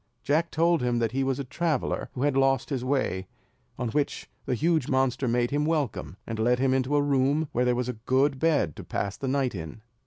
Jack told him that he was a traveller who had lost his way, on which the huge monster made him welcome, and led him into a room, where there was a good bed to pass the night in.